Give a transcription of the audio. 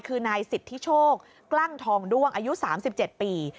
คือนายศิษย์ทิโชคกล้างทองดวงอายุ๓๗ปี